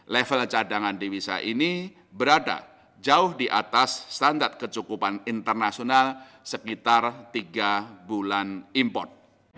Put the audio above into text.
level cadangan dewisa ini berada jauh di atas standar kecukupan internasional sekitar tiga bulan import